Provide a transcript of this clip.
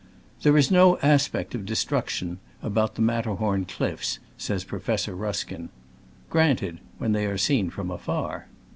"There is no aspect of destruction about the Matterhorn cliffs," says Pro fessor Ruskin. Granted — when they are seen from afar.